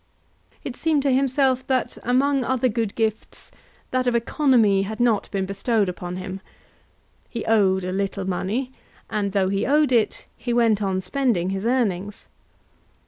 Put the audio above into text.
It seemed to himself that among other good gifts that of economy had not been bestowed upon him. He owed a little money, and though he owed it, he went on spending his earnings.